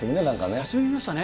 久しぶりでしたね。